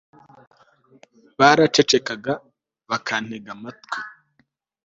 baracecekaga bakantega amatwi